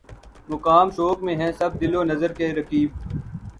مقام شوق میں ہیں سب دل و نظر کے رقیب